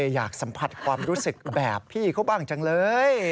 อยากสัมผัสความรู้สึกแบบพี่เขาบ้างจังเลย